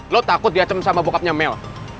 lo takut diacam sama bokapnya mel